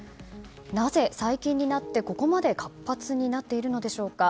なぜ最近になって、ここまで活発になっているんでしょうか。